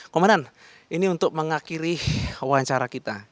komandan ini untuk mengakhiri wawancara kita